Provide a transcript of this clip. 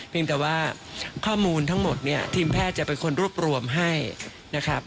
แต่ว่าข้อมูลทั้งหมดเนี่ยทีมแพทย์จะเป็นคนรวบรวมให้นะครับ